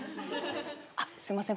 あっすいません。